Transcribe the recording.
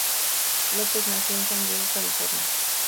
López nació en San Diego, California.